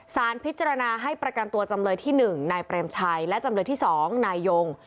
สารพิจารณาให้ประกันตัวจำเลยที่๑นายเปรมชัยและจำเลยที่๒นายยง